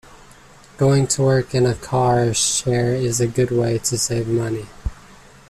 Going to work in a car share is a good way to save money.